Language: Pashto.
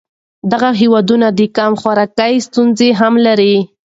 دغه هېوادونه د کم خوراکۍ ستونزه هم لري.